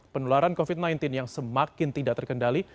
penularan covid sembilan belas yang semakin tidak terkendali